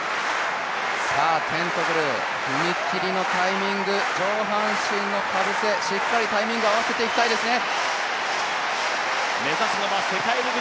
テントグル、踏み切りのタイミング、上半身のかぶせ、しっかりタイミング合わせていきたいですね。